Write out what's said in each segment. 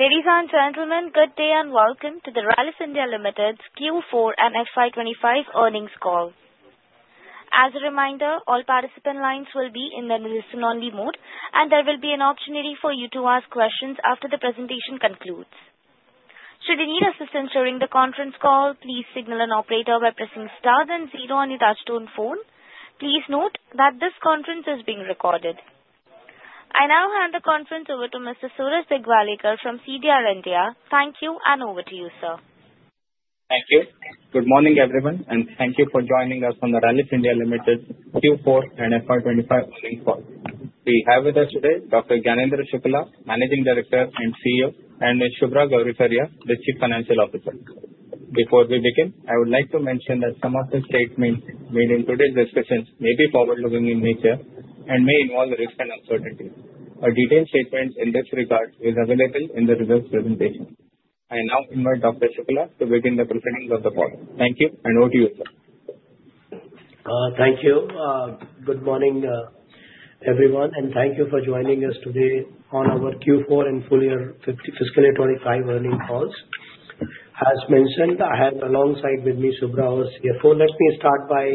Ladies and gentlemen, good day and welcome to the Rallis India Limited's Q4 and FY25 earnings call. As a reminder, all participant lines will be in the listen-only mode, and there will be an option for you to ask questions after the presentation concludes. Should you need assistance during the conference call, please signal an operator by pressing star then zero on your touch-tone phone. Please note that this conference is being recorded. I now hand the conference over to Mr. Suraj Digawalekar from CDR India. Thank you, and over to you, sir. Thank you. Good morning, everyone, and thank you for joining us on the Rallis India Limited Q4 and FY2025 earnings call. We have with us today Dr. Gyanendra Shukla, Managing Director and CEO, and Ms. Subhra Gourisaria, the Chief Financial Officer. Before we begin, I would like to mention that some of the statements made in today's discussion may be forward-looking in nature and may involve risk and uncertainty. A detailed statement in this regard is available in the results presentation. I now invite Dr. Shukla to begin the proceedings of the call. Thank you, and over to you, sir. Thank you. Good morning, everyone, and thank you for joining us today on our Q4 and full year fiscal year 2025 earnings calls. As mentioned, I have alongside with me Subhra CFO. Let me start by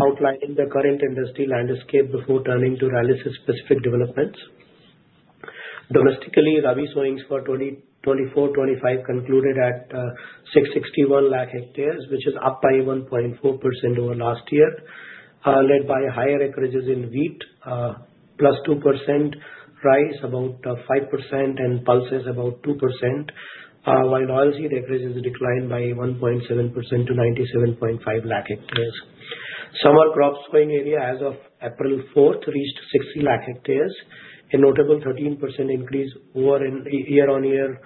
outlining the current industry landscape before turning to Rallis's specific developments. Domestically, Rabi's earnings for 2024-2025 concluded at 661 lakh hectares, which is up by 1.4% over last year, led by higher acreages in wheat, plus 2% rice about 5%, and pulses about 2%, while oilseed acreages declined by 1.7% to 97.5 lakh hectares. Summer crops going area as of April 4th reached 60 lakh hectares, a notable 13% increase year-on-year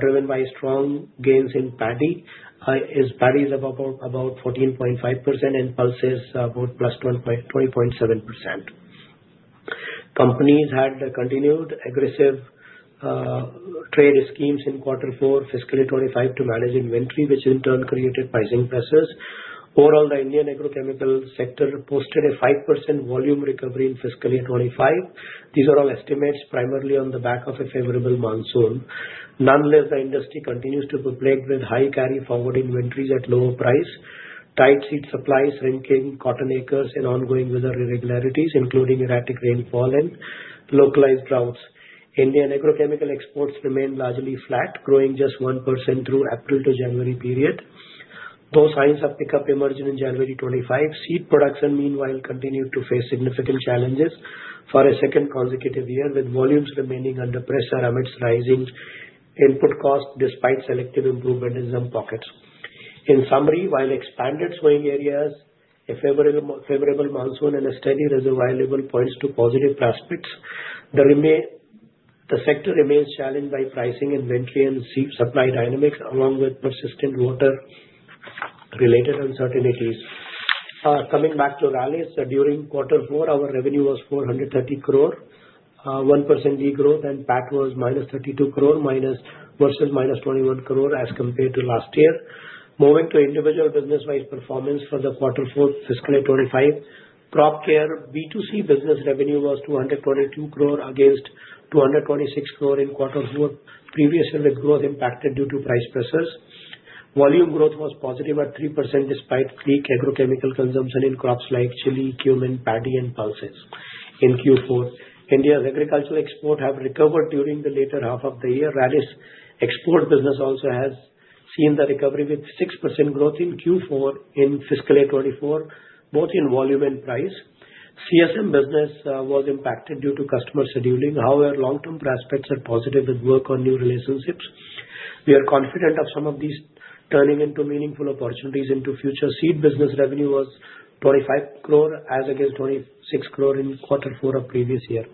driven by strong gains in paddy, as paddies are up about 14.5%, and pulses about plus 20.7%. Companies had continued aggressive trade schemes in Q4 fiscal year 2025 to manage inventory, which in turn created pricing pressures. Overall, the Indian agrochemical sector posted a 5% volume recovery in fiscal year 2025. These are all estimates primarily on the back of a favorable monsoon. Nonetheless, the industry continues to be plagued with high carry-forward inventories at lower price, tight seed supplies, shrinking cotton acres, and ongoing weather irregularities, including erratic rainfall and localized droughts. Indian agrochemical exports remain largely flat, growing just 1% through the April to January period. Though signs of pickup emerged in January 2025. Seed production, meanwhile, continued to face significant challenges for a second consecutive year, with volumes remaining under pressure amidst rising input costs despite selective improvement in some pockets. In summary, while expanded sowing areas, a favorable monsoon, and a steady reservoir level point to positive prospects, the sector remains challenged by pricing, inventory, and seed supply dynamics, along with persistent water-related uncertainties. Coming back to Rallis, during Q4, our revenue was 430 crore, 1% degrowth, and PAT was minus 32 crore versus minus 21 crore as compared to last year. Moving to individual business-wise performance for the Q4 fiscal year 2025, crop care B2C business revenue was 222 crore against 226 crore in Q4 previous year, with growth impacted due to price pressures. Volume growth was positive at 3% despite weak agrochemical consumption in crops like chili, cumin, paddy, and pulses in Q4. India's agricultural exports have recovered during the later half of the year. Rallis export business also has seen the recovery with 6% growth in Q4 in fiscal year 2024, both in volume and price. CSM business was impacted due to customer scheduling. However, long-term prospects are positive, with work on new relationships. We are confident of some of these turning into meaningful opportunities into future. Seed business revenue was 25 crore as against 26 crore in Q4 of previous year.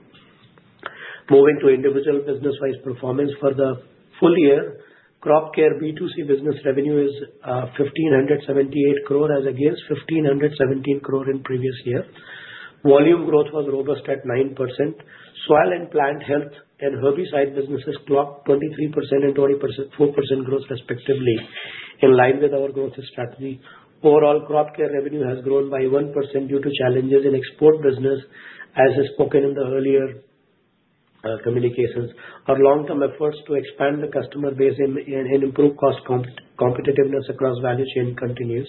Moving to individual business-wise performance for the full year, crop care B2C business revenue is 1,578 crore as against 1,517 crore in previous year. Volume growth was robust at 9%. Soil and plant health and herbicide businesses clocked 23% and 24% growth, respectively, in line with our growth strategy. Overall, crop care revenue has grown by 1% due to challenges in export business, as spoken in the earlier communications. Our long-term efforts to expand the customer base and improve cost competitiveness across value chain continue.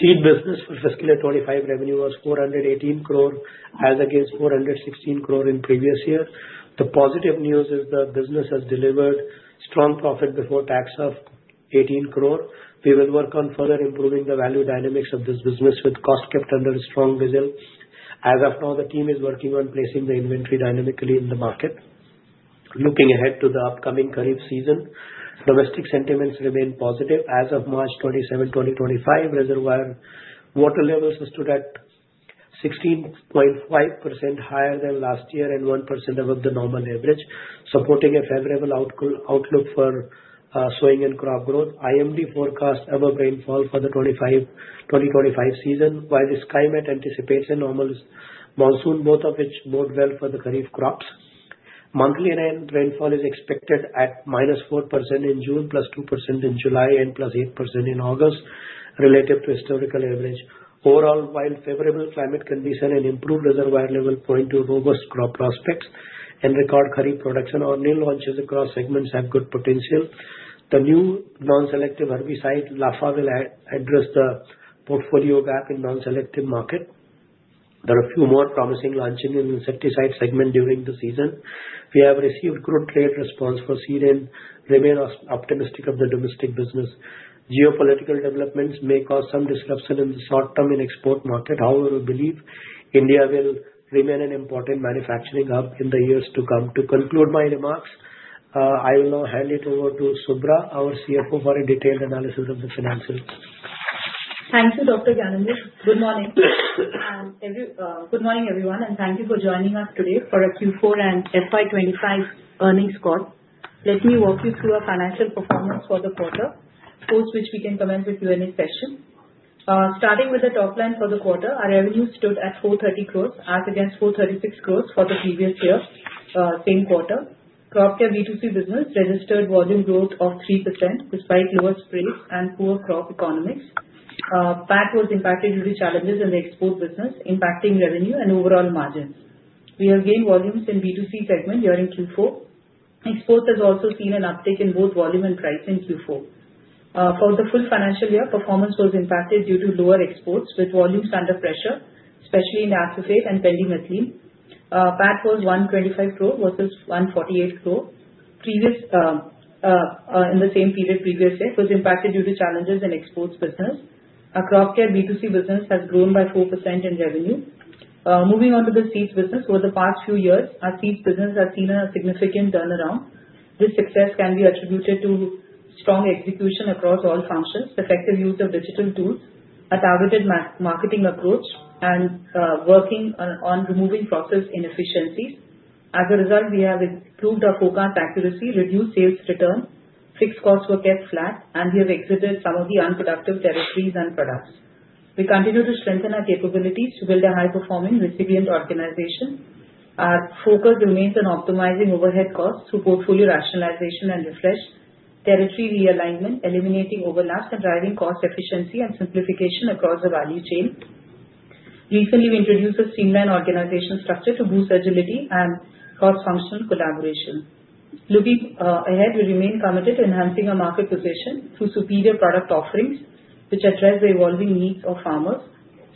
Seed business for fiscal year 2025 revenue was 418 crore as against 416 crore in previous year. The positive news is the business has delivered strong profit before tax of 18 crore. We will work on further improving the value dynamics of this business with cost kept under strong resilience. As of now, the team is working on placing the inventory dynamically in the market, looking ahead to the upcoming Kharif season. Domestic sentiments remain positive. As of March 27, 2025, reservoir water levels stood at 16.5% higher than last year and 1% above the normal average, supporting a favorable outlook for sowing and crop growth. IMD forecast above rainfall for the 2025 season, while the climate anticipates a normal monsoon, both of which bode well for the Kharif crops. Monthly rainfall is expected at -4% in June, +2% in July, and +8% in August relative to historical average. Overall, while favorable climate condition and improved reservoir level point to robust crop prospects and record Kharif production, our new launches across segments have good potential. The new non-selective herbicide LAFA will address the portfolio gap in non-selective market. There are a few more promising launches in insecticide segment during the season. We have received good trade response for seed and remain optimistic of the domestic business. Geopolitical developments may cause some disruption in the short-term export market. However, we believe India will remain an important manufacturing hub in the years to come. To conclude my remarks, I will now hand it over to Shubhra, our CFO, for a detailed analysis of the financials. Thank you, Dr. Gyanendra. Good morning. Good morning, everyone, and thank you for joining us today for a Q4 and FY25 earnings call. Let me walk you through our financial performance for the quarter, post which we can comment with Q&A session. Starting with the top line for the quarter, our revenue stood at 430 crore as against 436 crore for the previous year, same quarter. Crop care B2C business registered volume growth of 3% despite lower spreads and poor crop economics. PAT was impacted due to challenges in the export business, impacting revenue and overall margins. We have gained volumes in B2C segment during Q4. Exports have also seen an uptick in both volume and price in Q4. For the full financial year, performance was impacted due to lower exports, with volumes under pressure, especially in acephate and pendimethalin. PAT was 125 crore versus 148 crore. In the same period, previous year, it was impacted due to challenges in exports business. Crop care B2C business has grown by 4% in revenue. Moving on to the seeds business, over the past few years, our seeds business has seen a significant turnaround. This success can be attributed to strong execution across all functions, effective use of digital tools, a targeted marketing approach, and working on removing process inefficiencies. As a result, we have improved our focus accuracy, reduced sales return, fixed costs were kept flat, and we have exited some of the unproductive territories and products. We continue to strengthen our capabilities to build a high-performing, resilient organization. Our focus remains on optimizing overhead costs through portfolio rationalization and refresh, territory realignment, eliminating overlaps, and driving cost efficiency and simplification across the value chain. Recently, we introduced a streamlined organization structure to boost agility and cross-functional collaboration. Looking ahead, we remain committed to enhancing our market position through superior product offerings, which address the evolving needs of farmers.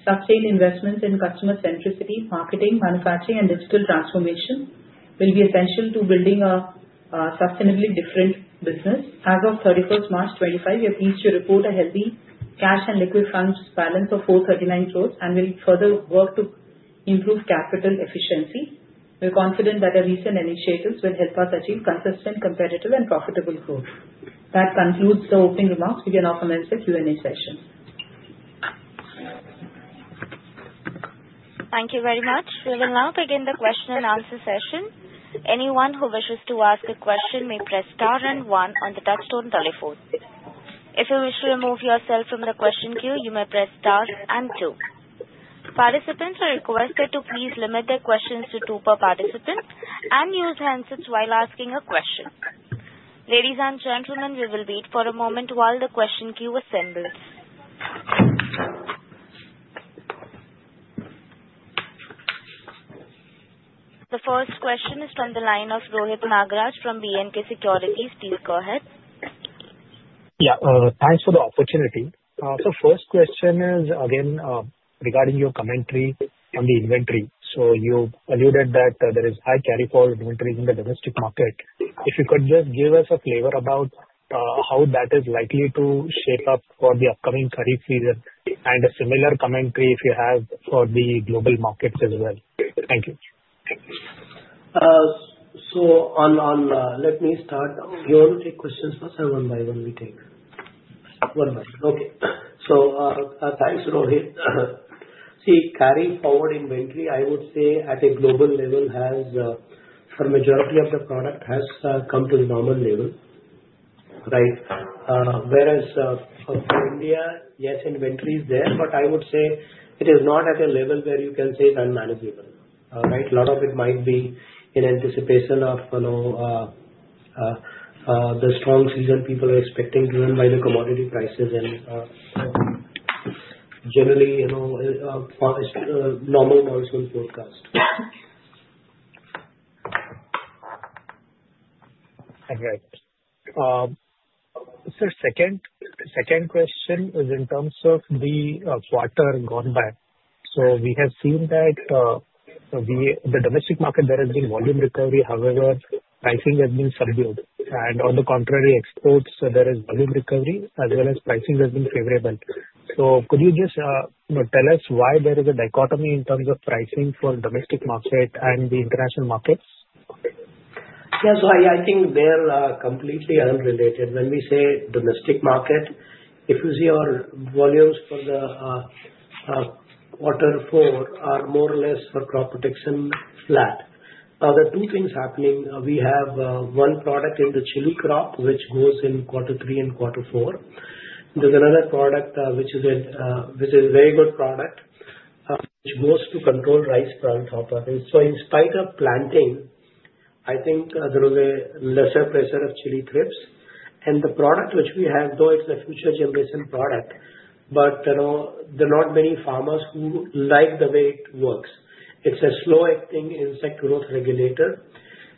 Sustained investments in customer centricity, marketing, manufacturing, and digital transformation will be essential to building a sustainably different business. As of 31 March 2025, we are pleased to report a healthy cash and liquid funds balance of 439 crore, and we'll further work to improve capital efficiency. We're confident that our recent initiatives will help us achieve consistent, competitive, and profitable growth. That concludes the opening remarks. We can now commence the Q&A session. Thank you very much. We will now begin the question and answer session. Anyone who wishes to ask a question may press star and one on the touch-tone telephone. If you wish to remove yourself from the question queue, you may press star and two. Participants are requested to please limit their questions to two per participant and use handsets while asking a question. Ladies and gentlemen, we will wait for a moment while the question queue assembles. The first question is from the line of Rohit Nagaraj from B&K Securities. Please go ahead. Yeah, thanks for the opportunity. First question is, again, regarding your commentary on the inventory. You alluded that there is high carry-forward inventory in the domestic market. If you could just give us a flavor about how that is likely to shape up for the upcoming Kharif season, and a similar commentary if you have for the global markets as well. Thank you. Let me start. You want to take questions first or one by one we take? One by one. Okay. Thanks, Rohit. See, carry-forward inventory, I would say at a global level, for the majority of the product, has come to the normal level, right? Whereas for India, yes, inventory is there, but I would say it is not at a level where you can say it's unmanageable, right? A lot of it might be in anticipation of the strong season people are expecting driven by the commodity prices and generally normal monsoon forecast. All right. Second question is in terms of the quarter gone by. We have seen that the domestic market, there has been volume recovery. However, pricing has been subdued. On the contrary, exports, there is volume recovery as well as pricing has been favorable. Could you just tell us why there is a dichotomy in terms of pricing for domestic market and the international markets? Yes, I think they're completely unrelated. When we say domestic market, if you see our volumes for the quarter four are more or less for crop protection flat. Now, there are two things happening. We have one product in the chili crop, which goes in quarter three and quarter four. There's another product which is a very good product, which goes to control rice plant hopper. In spite of planting, I think there was a lesser pressure of chili thrips. The product which we have, though it's a future generation product, but there are not many farmers who like the way it works. It's a slow-acting insect growth regulator,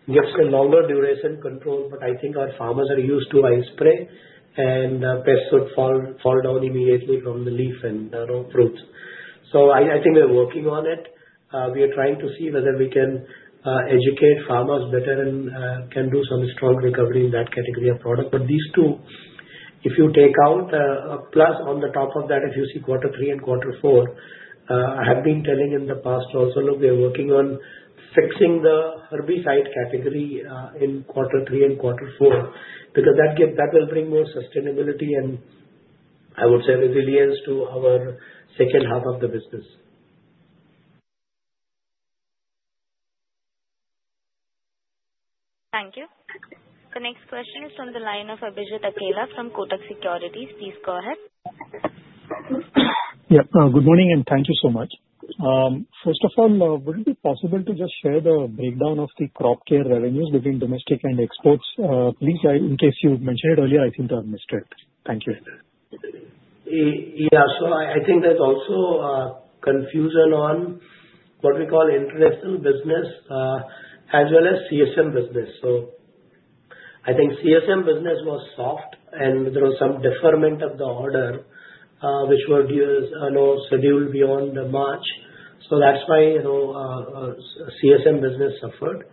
gives a longer duration control. I think our farmers are used to eye spray, and pests would fall down immediately from the leaf and fruits. I think we're working on it. We are trying to see whether we can educate farmers better and can do some strong recovery in that category of product. If you take these two out, plus on the top of that, if you see quarter three and quarter four, I have been telling in the past also, look, we are working on fixing the herbicide category in quarter three and quarter four because that will bring more sustainability and, I would say, resilience to our H2 of the business. Thank you. The next question is from the line of Abhijit Akela from Kotak Securities. Please go ahead. Yeah, good morning and thank you so much. First of all, would it be possible to just share the breakdown of the crop care revenues between domestic and exports? Please, in case you mentioned it earlier, I think I've missed it. Thank you. Yeah, so I think there's also confusion on what we call international business as well as CSM business. I think the CSM business was soft, and there was some deferment of the order, which was scheduled beyond March. That's why the CSM business suffered.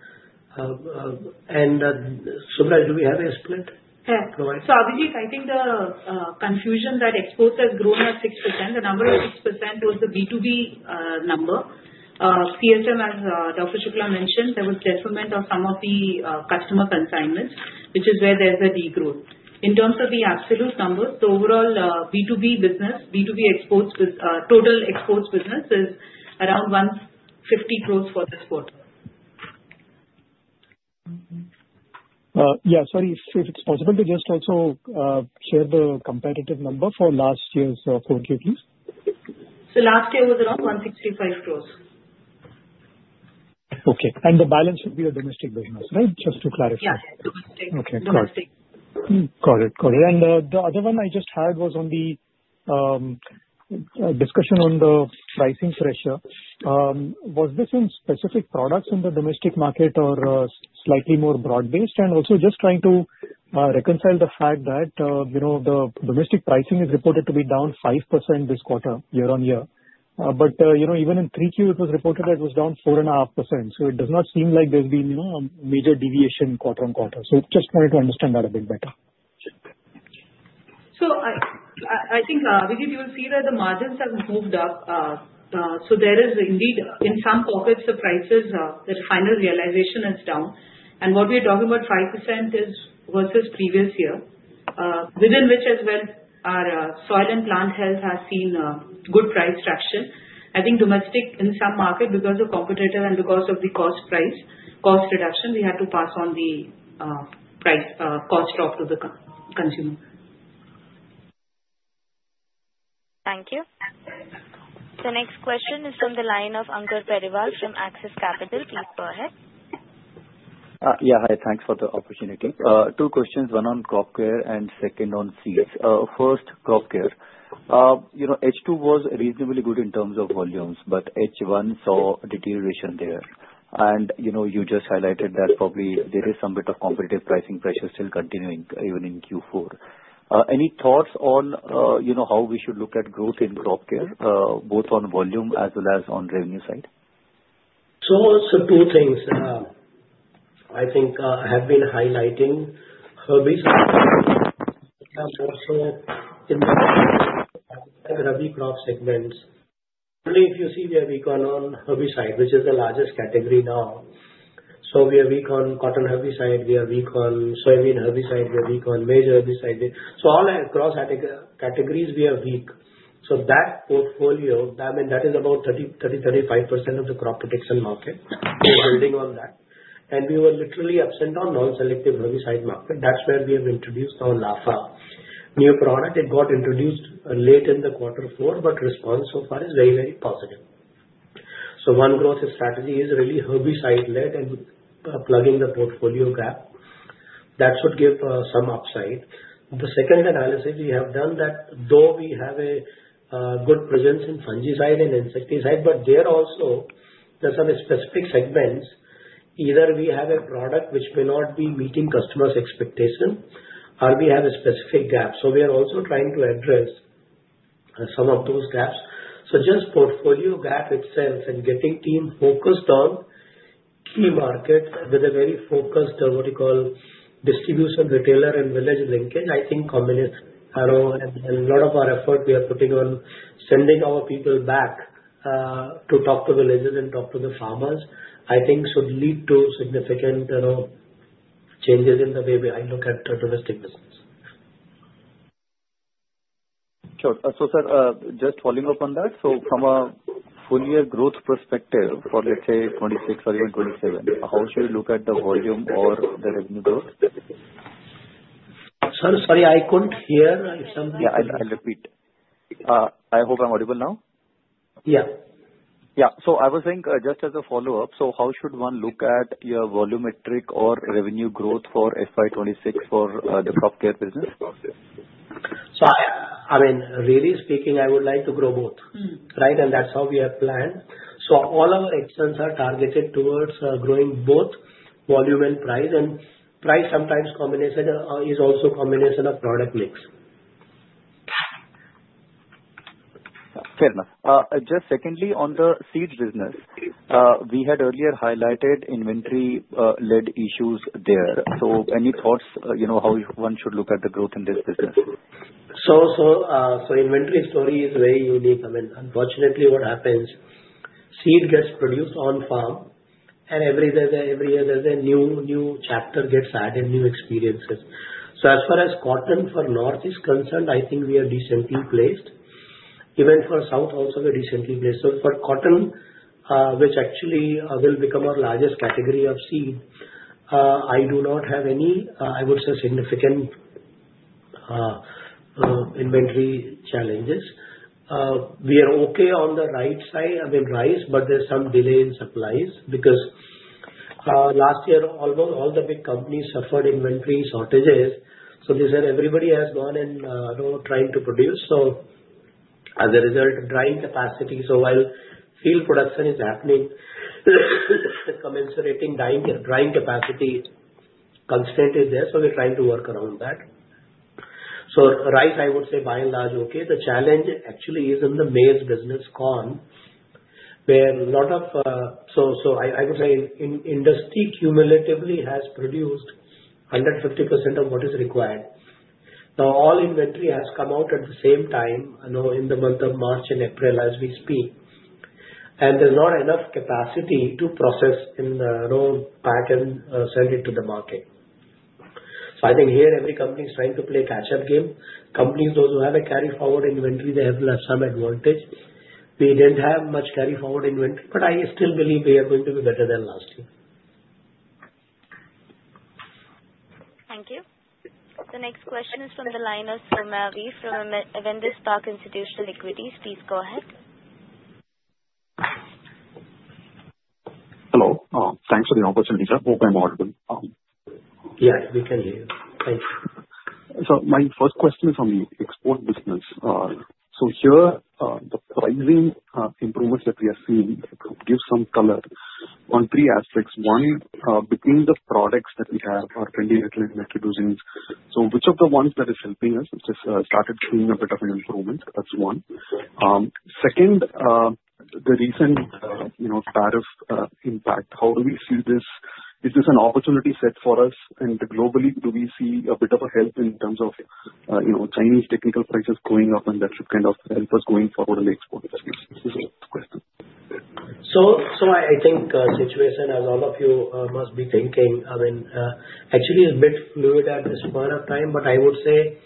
And Shubhra, do we have a split? Yeah. Abhijit, I think the confusion that exports have grown at 6%. The number of 6% was the B2B number. CSM, as Dr. Shukla mentioned, there was deferment of some of the customer consignments, which is where there's a degrowth. In terms of the absolute numbers, the overall B2B business, B2B exports, total exports business is around 150 crore for this quarter. Yeah, sorry, if it's possible to just also share the competitive number for last year's quarter, please. Last year was around 165 crore. Okay. The balance should be a domestic business, right? Just to clarify. Yes, domestic. Okay, got it. Got it. The other one I just had was on the discussion on the pricing pressure. Was this in specific products in the domestic market or slightly more broad-based? Also just trying to reconcile the fact that the domestic pricing is reported to be down 5% this quarter, year on year. Even in Q3, it was reported that it was down 4.5%. It does not seem like there has been a major deviation quarter on quarter. Just wanted to understand that a bit better. I think, Abhijit, you will see that the margins have moved up. There is indeed, in some pockets of prices, the final realization is down. What we are talking about, 5% versus previous year, within which as well our soil and plant health has seen good price traction. I think domestic, in some market, because of competitor and because of the cost price, cost reduction, we had to pass on the cost drop to the consumer. Thank you. The next question is from the line of Ankur Periwal from Axis Capital. Please go ahead. Yeah, hi, thanks for the opportunity. Two questions, one on crop care and second on seeds. First, crop care. H2 was reasonably good in terms of volumes, but H1 saw deterioration there. You just highlighted that probably there is some bit of competitive pricing pressure still continuing even in Q4. Any thoughts on how we should look at growth in crop care, both on volume as well as on revenue side? Two things I think I have been highlighting. Herbicide is also in the heavy crop segments. Only if you see where we can on herbicide, which is the largest category now. We are weak on cotton herbicide. We are weak on soybean herbicide. We are weak on major herbicide. All across categories, we are weak. That portfolio, I mean, that is about 30-35% of the crop protection market. We are building on that. We were literally absent on non-selective herbicide market. That's where we have introduced our LAFA new product. It got introduced late in quarter four, but response so far is very, very positive. One growth strategy is really herbicide-led and plugging the portfolio gap. That should give some upside. The second analysis we have done that, though we have a good presence in fungicide and insecticide, but there also there's some specific segments. Either we have a product which may not be meeting customers' expectations, or we have a specific gap. We are also trying to address some of those gaps. Just portfolio gap itself and getting team focused on key markets with a very focused, what you call, distribution retailer and village linkage, I think combination. A lot of our effort we are putting on sending our people back to talk to villages and talk to the farmers, I think should lead to significant changes in the way we look at domestic business. Sure. Sir, just following up on that, from a full year growth perspective for, let's say, 2026 or even 2027, how should you look at the volume or the revenue growth? Sorry, I couldn't hear. Yeah, I'll repeat. I hope I'm audible now. Yeah. Yeah. I was saying just as a follow-up, how should one look at your volumetric or revenue growth for FY 2026 for the crop care business? I mean, really speaking, I would like to grow both, right? That is how we have planned. All our actions are targeted towards growing both volume and price. Price sometimes is also a combination of product mix. Fair enough. Just secondly, on the seed business, we had earlier highlighted inventory-led issues there. Any thoughts how one should look at the growth in this business? Inventory story is very unique. I mean, unfortunately, what happens, seed gets produced on farm, and every year there's a new chapter gets added, new experiences. As far as cotton for north is concerned, I think we are decently placed. Even for south, also we are decently placed. For cotton, which actually will become our largest category of seed, I do not have any, I would say, significant inventory challenges. We are okay on the rice side, I mean, rice, but there's some delay in supplies because last year, almost all the big companies suffered inventory shortages. They said everybody has gone and trying to produce. As a result, drying capacity, so while field production is happening, commensurating drying capacity constant is there. We are trying to work around that. Rice, I would say, by and large, okay. The challenge actually is in the maize business, corn, where a lot of, I would say, industry cumulatively has produced 150% of what is required. Now, all inventory has come out at the same time in the month of March and April as we speak. There's not enough capacity to process in the pack and send it to the market. I think here every company is trying to play catch-up game. Companies, those who have a carry-forward inventory, they have some advantage. We didn't have much carry-forward inventory, but I still believe we are going to be better than last year. Thank you. The next question is from the line of Avendus Spark Institutional Equities. Please go ahead. Hello. Thanks for the opportunity. I hope I'm audible. Yes, we can hear you. Thank you. My first question is on the export business. Here, the pricing improvements that we have seen, give some color on three aspects. One, between the products that we have or are pending introduction, which of the ones is helping us, which has started seeing a bit of an improvement? That's one. Second, the recent tariff impact, how do we see this? Is this an opportunity set for us? Globally, do we see a bit of a help in terms of Chinese technical prices going up, and that should kind of help us going forward in the export business? This is the question. I think the situation, as all of you must be thinking, I mean, actually a bit fluid at this point of time, but I would say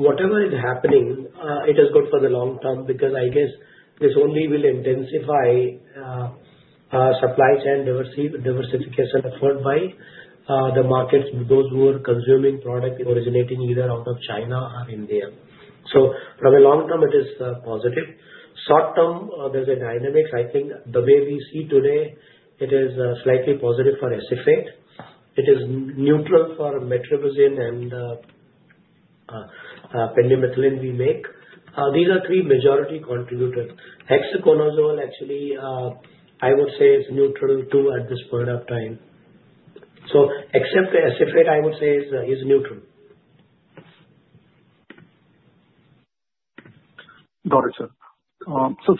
whatever is happening, it is good for the long term because I guess this only will intensify supply chain diversification effort by the markets, those who are consuming product originating either out of China or India. For the long term, it is positive. Short term, there's a dynamic. I think the way we see today, it is slightly positive for SF8. It is neutral for metribuzin and pendimethalin we make. These are three majority contributors. Hexaconazole, actually, I would say it's neutral too at this point of time. Except SF8, I would say is neutral. Got it, sir.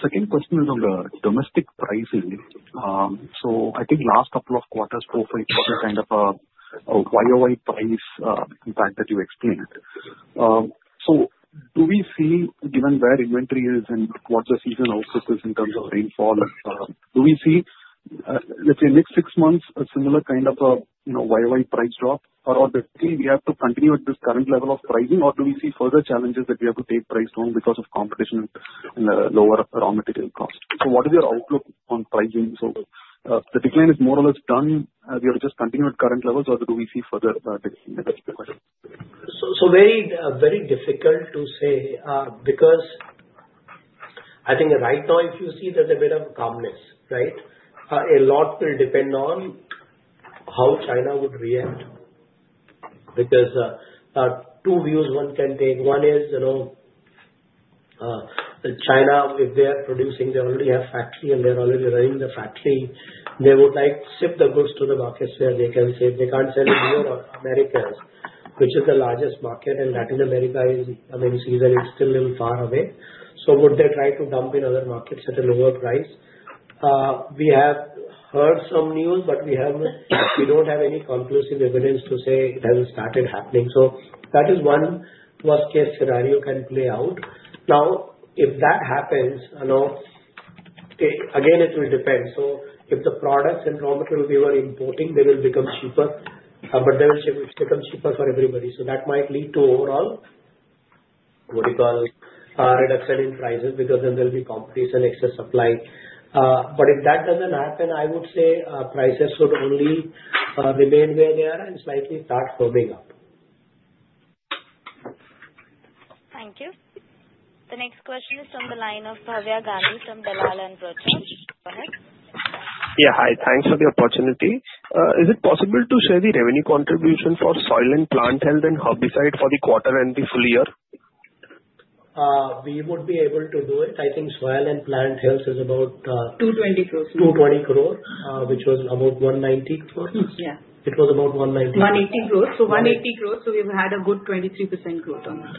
Second question is on the domestic pricing. I think last couple of quarters profile was a kind of a YOY price impact that you explained. Do we see, given where inventory is and what the season outlook is in terms of rainfall, do we see, let's say, next six months, a similar kind of a YOY price drop? Or do you think we have to continue at this current level of pricing, or do we see further challenges that we have to take price down because of competition and lower raw material cost? What is your outlook on pricing? The decline is more or less done. We have just continued current levels, or do we see further decline? Very difficult to say because I think right now, if you see, there's a bit of calmness, right? A lot will depend on how China would react because two views one can take. One is China, if they are producing, they already have factory, and they're already running the factory. They would like to ship the goods to the markets where they can ship. They can't sell it here or Americas, which is the largest market, and Latin America is, I mean, season is still a little far away. Would they try to dump in other markets at a lower price? We have heard some news, but we don't have any conclusive evidence to say it hasn't started happening. That is one worst-case scenario can play out. Now, if that happens, again, it will depend. If the products and raw material we were importing, they will become cheaper, but they will become cheaper for everybody. That might lead to overall, what you call, reduction in prices because then there will be competition, excess supply. If that does not happen, I would say prices should only remain where they are and slightly start firming up. Thank you. The next question is from the line of Bhavya Gandhi from Dalal and Broacha. Go ahead. Yeah, hi. Thanks for the opportunity. Is it possible to share the revenue contribution for soil and plant health and herbicide for the quarter and the full year? We would be able to do it. I think soil and plant health is about. 220 crores. 220 crore, which was about 190 crore. It was about 190. 180 crore. 180 crore. We've had a good 23% growth on that.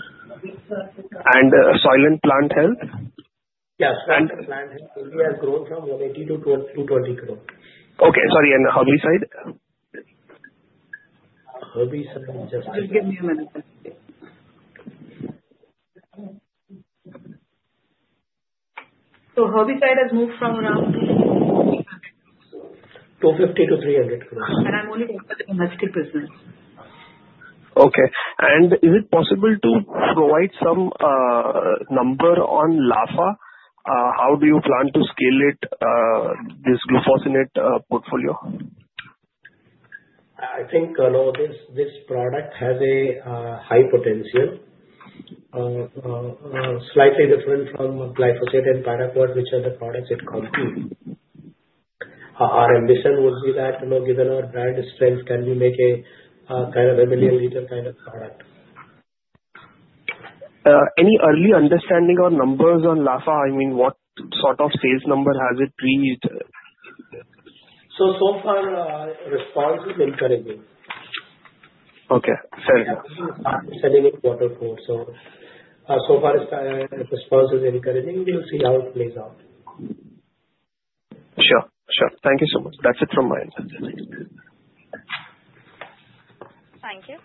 Soil and plant health? Yeah. Soil and plant health, we have grown from INR 180 crore to INR 220 crore. Okay. Sorry. Herbicide? Herbicide just. Just give me a minute. Herbicide has moved from around INR 250 crore to INR 300 crore. 250 crore-INR 300 crore. I'm only talking about the domestic business. Okay. Is it possible to provide some number on LAFA? How do you plan to scale this glufosinate portfolio? I think this product has a high potential, slightly different from glyphosate and paraquat, which are the products it competes. Our ambition would be that, given our brand strength, can we make a kind of a million-liter kind of product? Any early understanding or numbers on LAFA? I mean, what sort of sales number has it reached? So far, response is encouraging. Okay. Fair enough. Selling it quarter four. So far, response is encouraging. We'll see how it plays out. Sure. Sure. Thank you so much. That's it from my end. Thank you.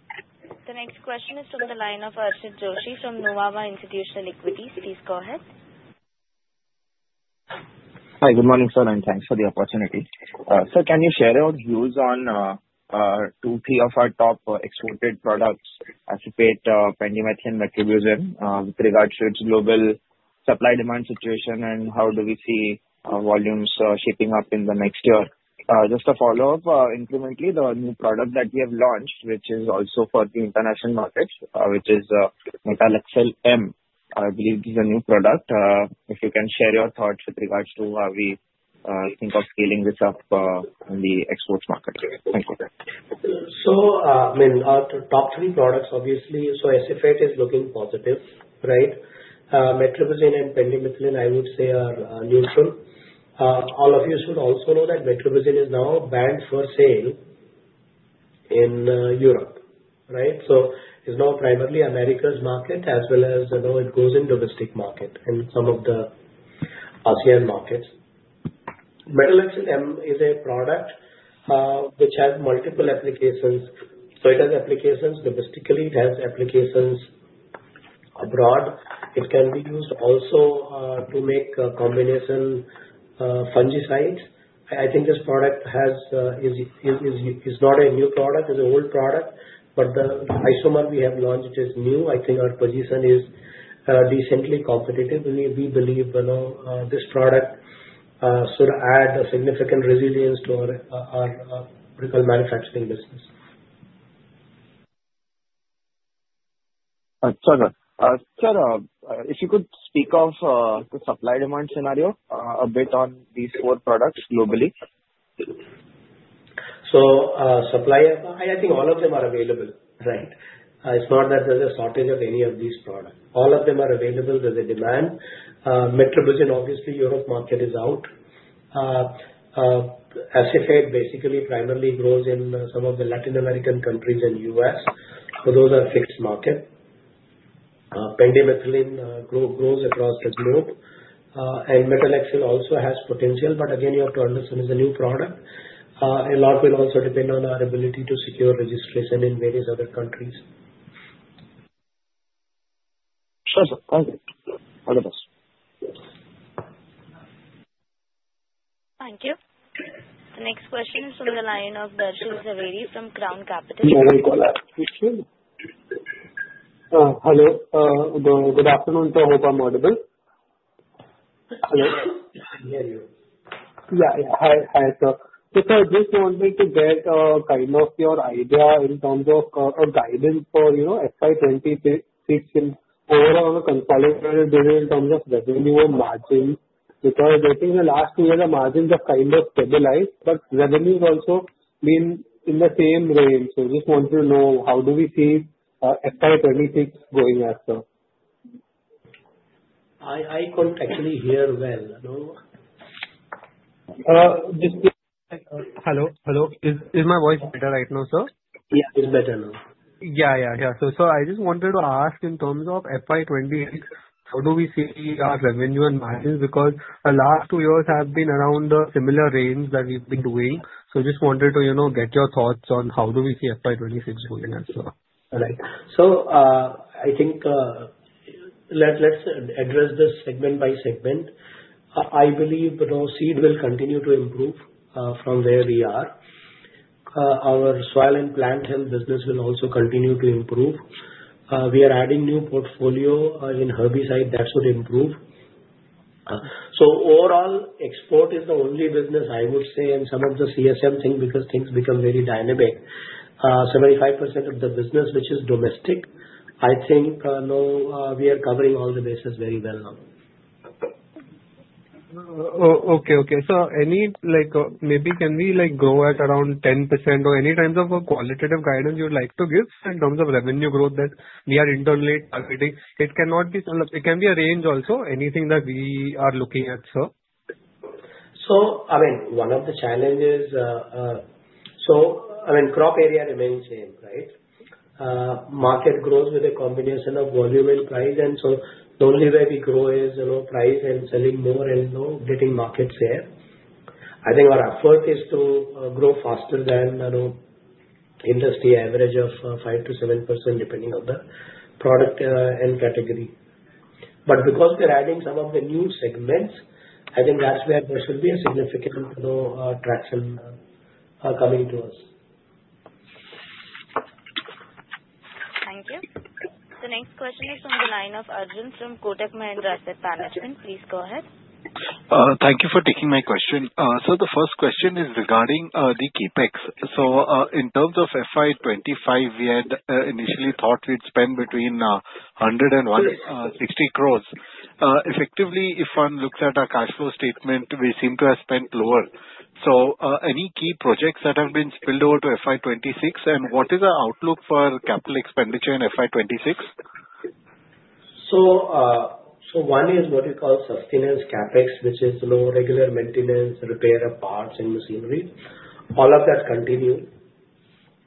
The next question is from the line of Archit Joshi from Nuvama Institutional Equities. Please go ahead. Hi. Good morning, sir. Thanks for the opportunity. Sir, can you share your views on two or three of our top exported products, acephate, pendimethalin, metribuzin, with regards to its global supply-demand situation, and how do we see volumes shaping up in the next year? Just a follow-up. Incrementally, the new product that we have launched, which is also for the international market, which is Metalaxyl-M, I believe is a new product. If you can share your thoughts with regards to how we think of scaling this up in the exports market. Thank you. I mean, top three products, obviously, so SF8 is looking positive, right? Metribuzin and pendimethalin, I would say, are neutral. All of you should also know that metribuzin is now banned for sale in Europe, right? It is now primarily America's market, as well as it goes in domestic market and some of the ASEAN markets. Metalaxyl-M is a product which has multiple applications. It has applications domestically. It has applications abroad. It can be used also to make combination fungicides. I think this product is not a new product. It is an old product. The isomer we have launched is new. I think our position is decently competitive. We believe this product should add a significant resilience to our manufacturing business. Sir, if you could speak of the supply-demand scenario a bit on these four products globally. Supply, I think all of them are available, right? It's not that there's a shortage of any of these products. All of them are available. There's a demand. Metribuzin, obviously, Europe market is out. SF8 basically primarily grows in some of the Latin American countries and US. Those are fixed markets. Pendimethalin grows across the globe. Metalaxyl-M also has potential. Again, you have to understand it's a new product. A lot will also depend on our ability to secure registration in various other countries. Sure, sir. Thank you. All the best. Thank you. The next question is from the line of Darshan Zaveri from Crown Capital. You may call. Hello. Good afternoon, sir. I hope I'm audible. Hello. I can hear you. Yeah. Hi, sir. Sir, I just wanted to get kind of your idea in terms of a guidance for FY 2026 overall consolidated data in terms of revenue or margin because I think in the last two years, the margins have kind of stabilized, but revenues have also been in the same range. Just wanted to know how do we see FY 2026 going as well? I couldn't actually hear well. Hello. Hello. Is my voice better right now, sir? Yeah, it's better now. Yeah, yeah. I just wanted to ask in terms of FY 2026, how do we see our revenue and margins because the last two years have been around the similar range that we've been doing. I just wanted to get your thoughts on how do we see FY 2026 going as well. All right. I think let's address this segment by segment. I believe seed will continue to improve from where we are. Our soil and plant health business will also continue to improve. We are adding new portfolio in herbicide. That should improve. Overall, export is the only business, I would say, and some of the CSM thing because things become very dynamic. 75% of the business, which is domestic, I think we are covering all the bases very well now. Okay. Okay. Maybe can we go at around 10% or any kind of qualitative guidance you'd like to give in terms of revenue growth that we are internally targeting? It can be a range also, anything that we are looking at, sir. I mean, one of the challenges is, I mean, crop area remains same, right? Market grows with a combination of volume and price. The only way we grow is price and selling more and getting market share. I think our effort is to grow faster than industry average of 5-7%, depending on the product and category. Because we are adding some of the new segments, I think that's where there should be a significant traction coming to us. Thank you. The next question is from the line of Arjun from Kotak Mahindra Asset Management. Please go ahead. Thank you for taking my question. The first question is regarding the CAPEX. In terms of FY 2025, we had initially thought we'd spend between 100 crore and 160 crore. Effectively, if one looks at our cash flow statement, we seem to have spent lower. Any key projects that have been spilled over to FY 2026, and what is the outlook for capital expenditure in FY 2026? So, One is what you call sustenance CAPEX, which is regular maintenance, repair of parts and machinery. All of that continue.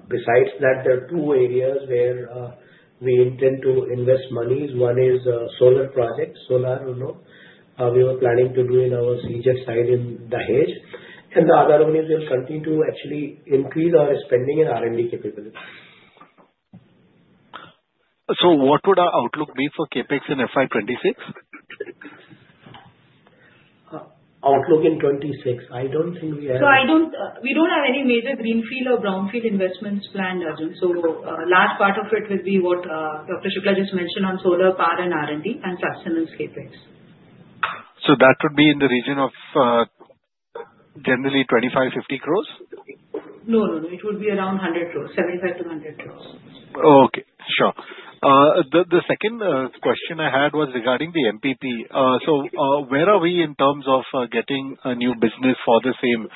Besides that, there are two areas where we intend to invest money. One is solar projects, solar we were planning to do in our CJET site in Dahej. The other one is we'll continue to actually increase our spending in R&D capability. What would our outlook be for CAPEX in FY 2026? Outlook in 2026? I don't think we have. We don't have any major greenfield or brownfield investments planned, Arjun. A large part of it will be what Dr. Shukla just mentioned on solar, power, and R&D, and sustenance CAPEX. That would be in the region of generally 25 crore-50 crore? No, no. It would be around 100 crore, 75-100 crore. Okay. Sure. The second question I had was regarding the MPP. Where are we in terms of getting a new business for the same,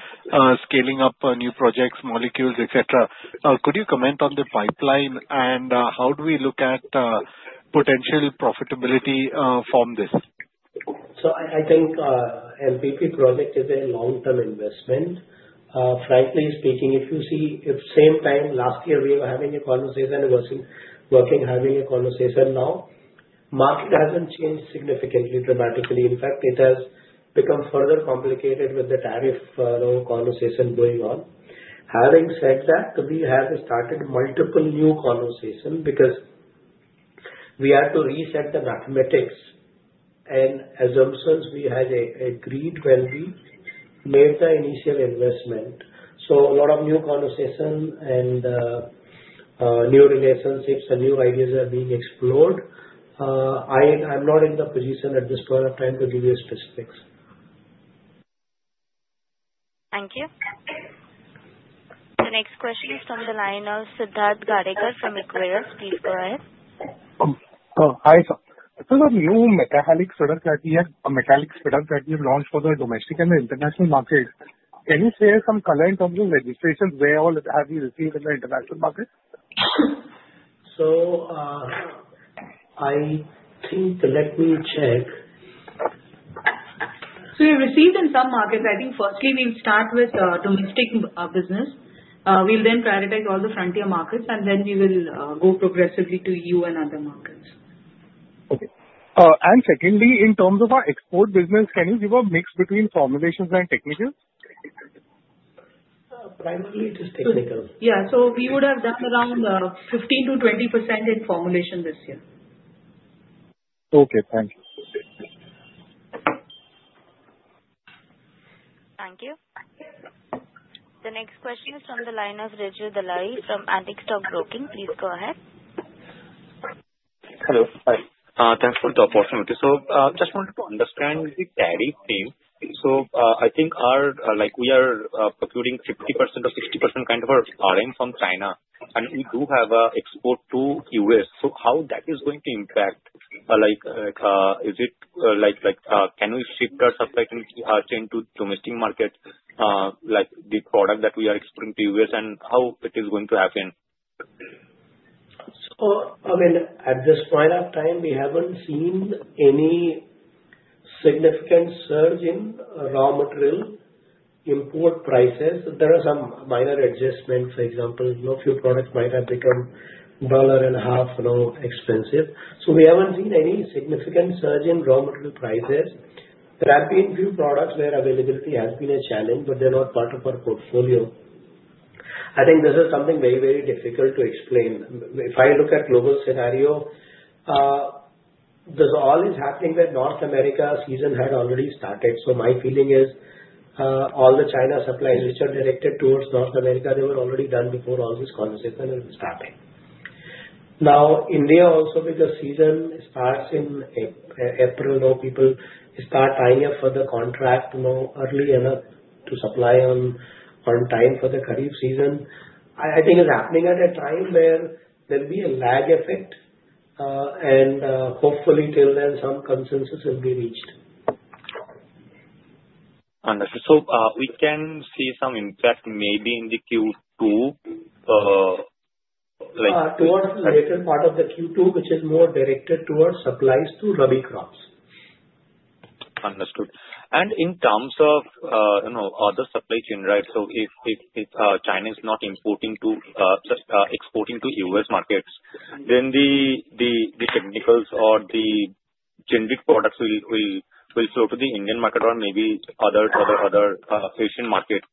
scaling up new projects, molecules, etc.? Could you comment on the pipeline, and how do we look at potential profitability from this? I think MPP project is a long-term investment. Frankly speaking, if you see, at the same time, last year, we were having a conversation and was working, having a conversation now. Market hasn't changed significantly, dramatically. In fact, it has become further complicated with the tariff conversation going on. Having said that, we have started multiple new conversations because we had to reset the mathematics. And assumptions we had agreed when we made the initial investment. A lot of new conversations and new relationships and new ideas are being explored. I'm not in the position at this point of time to give you specifics. Thank you. The next question is from the line of Siddharth Gadegar from Equirus. Please go ahead. Hi, sir. The new Metalaxyl-M product that we have, Metalaxyl-M product that we have launched for the domestic and the international market, can you share some color in terms of registrations? Where all have you received in the international market? I think let me check. We've received in some markets. I think firstly, we'll start with domestic business. We'll then prioritize all the frontier markets, and then we will go progressively to EU and other markets. Okay. Secondly, in terms of our export business, can you give a mix between formulations and technicals? Primarily just technicals. Yeah. We would have done around 15%-20% in formulation this year. Okay. Thank you. Thank you. The next question is from the line of Rajith Dalai from Antique Stock Broking. Please go ahead. Hello. Hi. Thanks for the opportunity. I just wanted to understand the tariff thing. I think we are procured 50% or 60% kind of our RM from China, and we do have export to US. How that is going to impact? Is it can we shift our supply chain to domestic market, the product that we are exporting to US, and how it is going to happen? I mean, at this point of time, we haven't seen any significant surge in raw material import prices. There are some minor adjustments. For example, a few products might have become a dollar and a half expensive. We haven't seen any significant surge in raw material prices. There have been a few products where availability has been a challenge, but they're not part of our portfolio. I think this is something very, very difficult to explain. If I look at the global scenario, this all is happening where North America season had already started. My feeling is all the China supplies which are directed towards North America, they were already done before all this conversation started. Now, India, also because season starts in April, people start tying up for the contract early enough to supply on time for the Kharif season. I think it's happening at a time where there'll be a lag effect, and hopefully, till then, some consensus will be reached. Understood. We can see some impact maybe in the Q2. Towards the later part of the Q2, which is more directed towards supplies to Rabi crops. Understood. In terms of other supply chain, right? If China is not exporting to U.S. markets, then the technicals or the generic products will flow to the Indian market or maybe other Asian markets.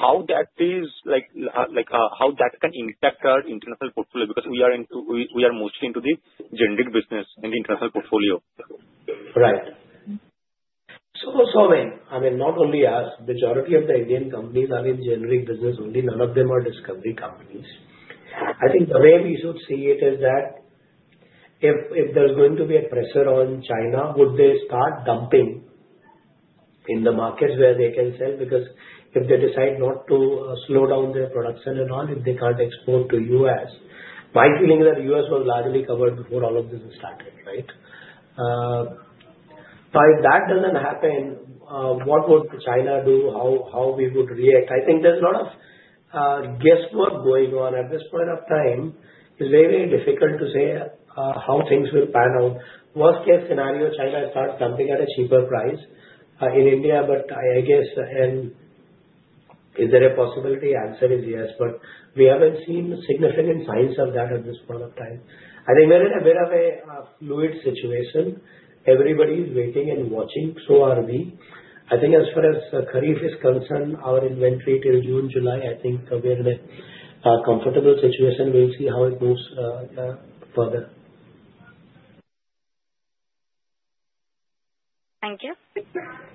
How that is, how that can impact our international portfolio because we are mostly into the generic business in the international portfolio. Right. I mean, not only us, the majority of the Indian companies are in generic business only. None of them are discovery companies. I think the way we should see it is that if there's going to be a pressure on China, would they start dumping in the markets where they can sell? Because if they decide not to slow down their production and all, if they can't export to the U.S., my feeling is that the U.S. was largely covered before all of this started, right? Now, if that doesn't happen, what would China do? How would we react? I think there's a lot of guesswork going on at this point of time. It's very, very difficult to say how things will pan out. Worst-case scenario, China starts dumping at a cheaper price in India, but I guess is there a possibility? Answer is yes, but we haven't seen significant signs of that at this point of time. I think we're in a bit of a fluid situation. Everybody is waiting and watching. So are we. I think as far as Kharif is concerned, our inventory till June, July, I think we're in a comfortable situation. We'll see how it moves further. Thank you.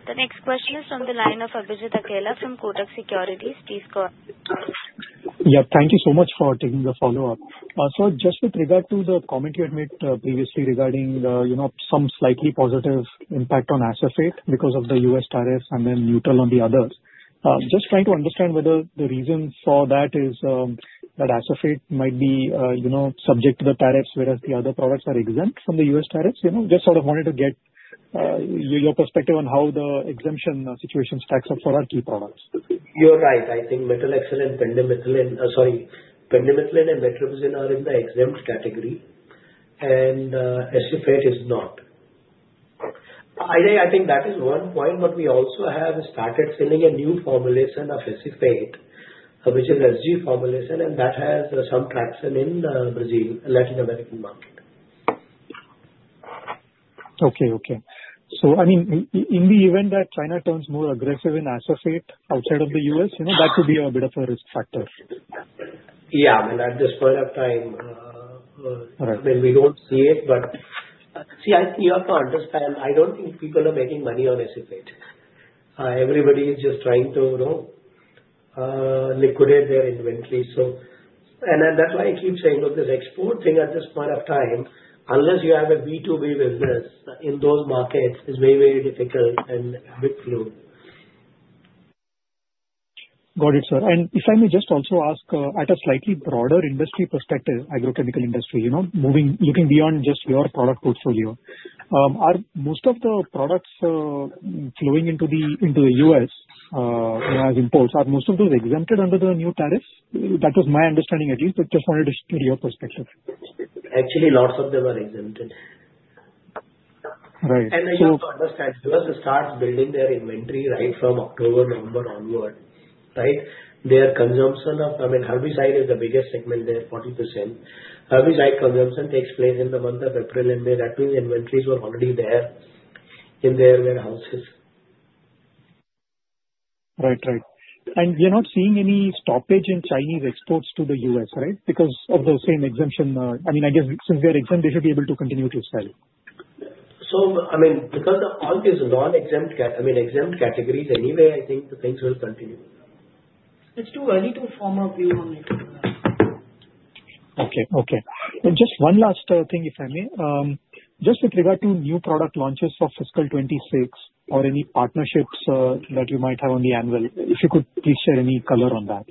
The next question is from the line of Abhijit Akella from Kotak Securities. Please go ahead. Thank you so much for taking the follow-up. Just with regard to the comment you had made previously regarding some slightly positive impact on SF8 because of the U.S. tariffs and then neutral on the others, just trying to understand whether the reason for that is that SF8 might be subject to the tariffs, whereas the other products are exempt from the U.S. tariffs. Just sort of wanted to get your perspective on how the exemption situation stacks up for our key products. You're right. I think metallic silicon and pendimethalin, sorry, pendimethalin and metribuzin are in the exempt category, and SF8 is not. I think that is one point, but we also have started selling a new formulation of SF8, which is SG formulation, and that has some traction in the Brazil, Latin American market. Okay. Okay. I mean, in the event that China turns more aggressive in SF8 outside of the U.S., that could be a bit of a risk factor. Yeah. I mean, at this point of time, I mean, we don't see it, but see, you have to understand, I don't think people are making money on SF8. Everybody is just trying to liquidate their inventory. That's why I keep saying this export thing at this point of time, unless you have a B2B business in those markets, it's very, very difficult and a bit fluid. Got it, sir. If I may just also ask at a slightly broader industry perspective, agrochemical industry, looking beyond just your product portfolio, are most of the products flowing into the U.S. as imports, are most of those exempted under the new tariffs? That was my understanding, at least. I just wanted to hear your perspective. Actually, lots of them are exempted. Right. So. I just want to understand, U.S. starts building their inventory right from October, November onward, right? Their consumption of, I mean, herbicide is the biggest segment there, 40%. Herbicide consumption takes place in the month of April and May. That means inventories were already there in their warehouses. Right. Right. And we're not seeing any stoppage in Chinese exports to the U.S., right? Because of the same exemption, I mean, I guess since they are exempt, they should be able to continue to sell. I mean, because of all these non-exempt, I mean, exempt categories anyway, I think things will continue. It's too early to form a view on it. Okay. Okay. Just one last thing, if I may. Just with regard to new product launches for fiscal 2026 or any partnerships that you might have on the annual, if you could please share any color on that.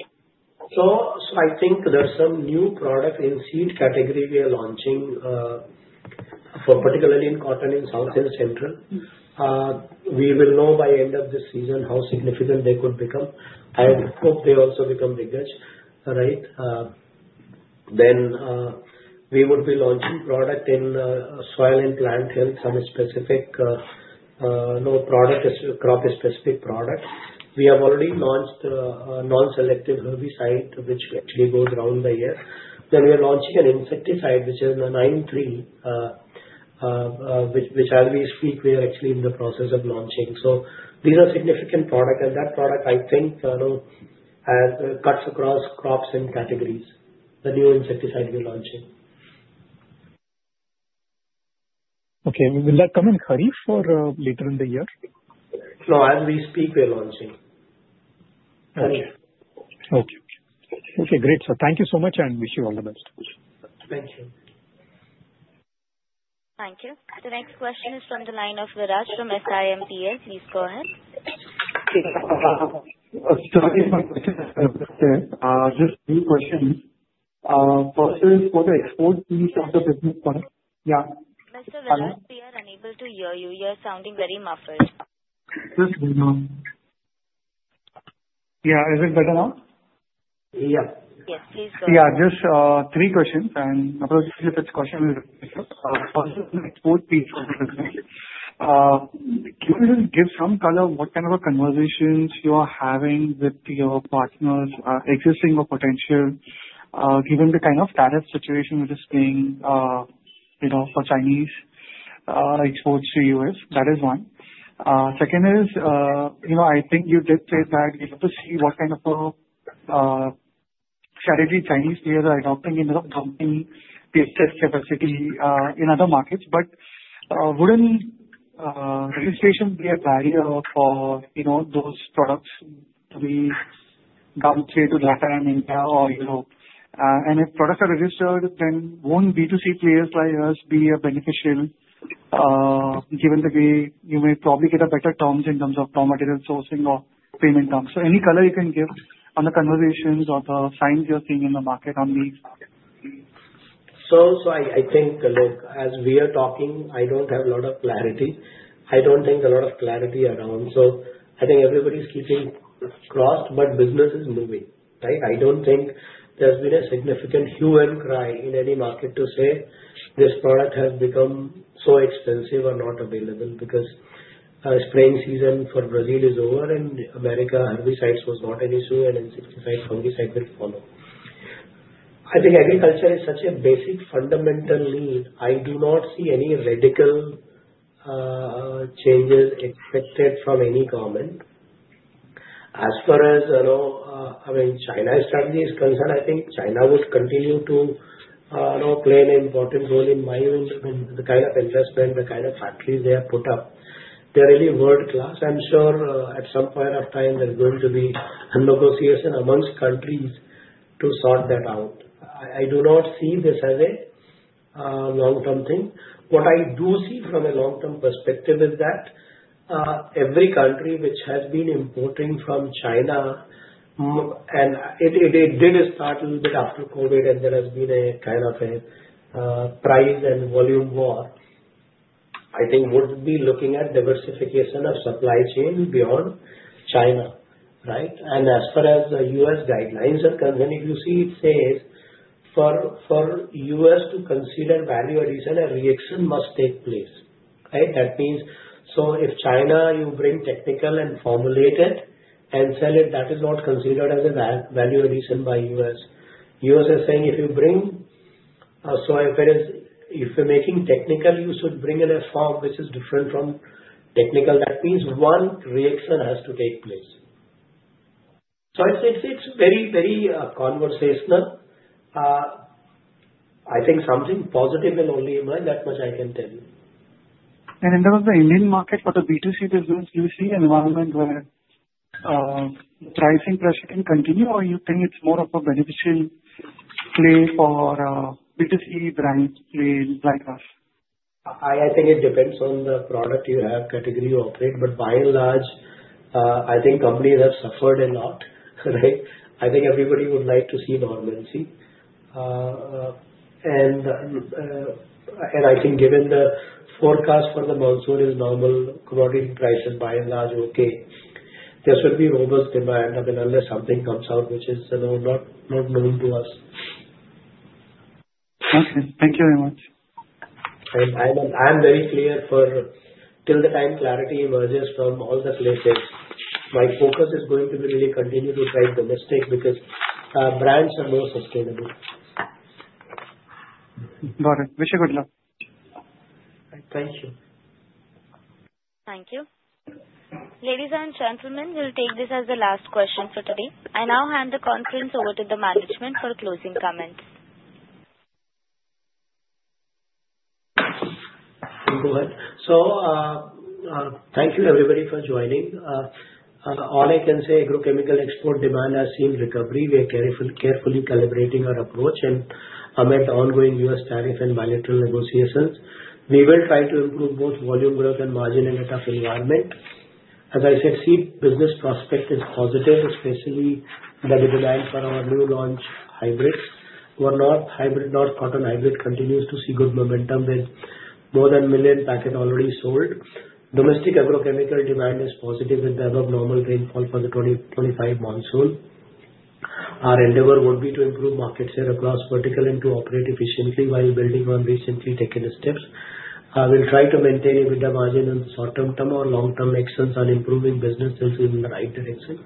I think there are some new products in seed category we are launching, particularly in cotton in South and Central. We will know by the end of this season how significant they could become. I hope they also become bigger, right? We would be launching product in soil and plant health, some specific crop-specific products. We have already launched non-selective herbicide, which actually goes around the year. We are launching an insecticide, which is the 9(3) which as we speak, we are actually in the process of launching. These are significant products, and that product, I think, cuts across crops and categories. The new insecticide we are launching. Okay. Will that come in Kharif or later in the year? No. As we speak, we are launching. Okay. Okay. Okay. Great. Thank you so much, and wish you all the best. Thank you. Thank you. The next question is from the line of Viraj from SIMPA. Please go ahead. Sorry for the question. Just a few questions. First is for the export piece of the business part. Yeah. Mr. Viraj, we are unable to hear you. You're sounding very muffled. Just one more. Yeah. Is it better now? Yeah. Yes. Please go ahead. Yeah. Just three questions. I'll just see if it's questionable. First is the export piece of the business. Can you give some color of what kind of conversations you are having with your partners, existing or potential, given the kind of tariff situation we're just seeing for Chinese exports to the U.S.? That is one. Second is, I think you did say that you have to see what kind of strategy Chinese players are adopting in terms of dumping the excess capacity in other markets. Wouldn't registration be a barrier for those products to be dumped straight to Russia and India or Europe? If products are registered, then won't B2C players like us be a beneficial, given that you may probably get better terms in terms of raw material sourcing or payment terms? Any color you can give on the conversations or the signs you're seeing in the market on these markets? I think, look, as we are talking, I don't have a lot of clarity. I don't think a lot of clarity around. I think everybody's keeping cross, but business is moving, right? I don't think there's been a significant hue and cry in any market to say this product has become so expensive or not available because spraying season for Brazil is over, and America herbicides was not an issue, and insecticide fungicide will follow. I think agriculture is such a basic fundamental need. I do not see any radical changes expected from any government. As far as, I mean, China's strategy is concerned, I think China would continue to play an important role in my view. I mean, the kind of investment, the kind of factories they have put up, they're really world-class. I'm sure at some point of time, there's going to be a negotiation amongst countries to sort that out. I do not see this as a long-term thing. What I do see from a long-term perspective is that every country which has been importing from China, and it did start a little bit after COVID, and there has been a kind of a price and volume war, I think would be looking at diversification of supply chain beyond China, right? As far as the U.S. guidelines are concerned, if you see, it says for U.S. to consider value addition, a reaction must take place, right? That means if China, you bring technical and formulate it and sell it, that is not considered as a value addition by U.S. U.S. is saying if you bring, so if you're making technical, you should bring in a form which is different from technical. That means one reaction has to take place. It is very, very conversational. I think something positive will only emerge. That much I can tell you. In terms of the Indian market for the B2C business, do you see an environment where the pricing pressure can continue, or you think it's more of a beneficial play for B2C brands like us? I think it depends on the product you have, category you operate. By and large, I think companies have suffered a lot, right? I think everybody would like to see normalcy. I think given the forecast for the monsoon is normal, commodity prices by and large okay. There should be robust demand. I mean, unless something comes out which is not known to us. Okay. Thank you very much. I'm very clear for till the time clarity emerges from all the places, my focus is going to be really continue to try domestic because brands are more sustainable. Got it. Wish you good luck. Thank you. Thank you. Ladies and gentlemen, we'll take this as the last question for today. I now hand the conference over to the management for closing comments. Thank you, everybody, for joining. All I can say, agrochemical export demand has seen recova ery. We are carefully calibrating our approach amid ongoing U.S. tariff and bilateral negotiations. We will try to improve both volume growth and margin, and net of environment. As I said, seed business prospect is positive, especially the demand for our new launch hybrids. North cotton hybrid continues to see good momentum with more than 1 million packets already sold. Domestic agrochemical demand is positive with the above-normal rainfall for the 2025 monsoon. Our endeavour is to improve market share across verticals and operate efficiently while building on the recently taken steps. We will try to maintain a better margin on the short-term or long-term actions on improving business sales in the right direction.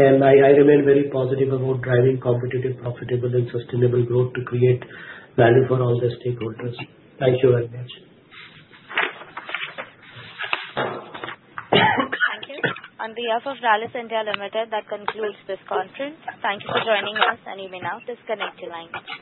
I remain very positive about driving competitive, profitable, and sustainable growth to create value for all the stakeholders. Thank you very much. Thank you. On behalf of Rallis India Limited, that conclude this conference. Thank you for joining us, and you may now disconnect your line.